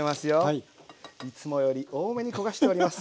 いつもより多めに焦がしております。